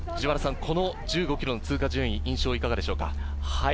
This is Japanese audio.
１５ｋｍの通過順位の印象はいかがでしょうか？